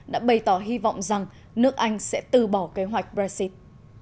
đã bày tỏ hy vọng rằng nước anh sẽ từ bỏ kế hoạch brexit